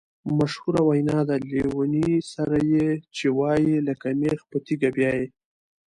مشهوره وینا ده: لېوني سره یې چې وایې لکه مېخ په تیګه بیایې.